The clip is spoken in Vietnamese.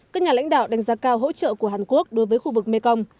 các nhà lãnh đạo đánh giá cao hỗ trợ của hàn quốc đối với khu vực mekong